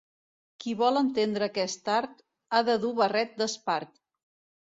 Qui vol entendre aquest art, ha de dur barret d'espart.